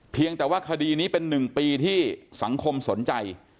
เพียงแต่ว่าคดีนี้เป็น๑ปีที่สังคมสนใจ